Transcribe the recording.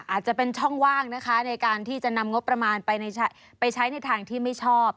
อาจจะเป็นช่องว่างนะคะในการที่จะนำงบประมาณไปใช้ในทางที่ไม่ชอบ